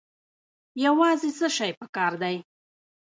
یوازې څه شی پکار دی؟